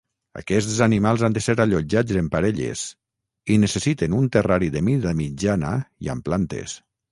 Aquests animals han de ser allotjats en parelles i necessiten un terrari de mida mitjana i amb plantes.